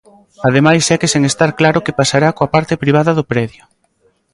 Ademais segue sen estar claro que pasará coa parte privada do predio.